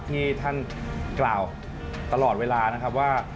ที่ท่านกล่าวตลอดเวลานะครับว่า